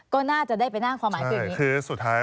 ก็น่าจะได้เป็นหน้าความหมายคือกันนี้